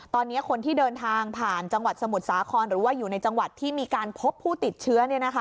ตอนนี้คนที่เดินทางผ่านจังหวัดสมุทรสาครหรือว่าอยู่ในจังหวัดที่มีการพบผู้ติดเชื้อ